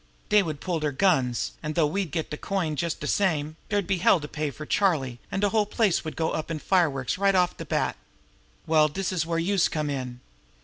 Dey would pull deir guns, an' though we'd get de coin just de same, dere'd be hell to pay fer Charlie, an' de whole place 'd go up in fireworks right off de bat. Well, dis is where youse come in.